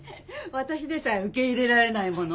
私でさえ受け入れられないもの。